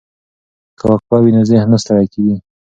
که وقفه وي نو ذهن نه ستړی کیږي.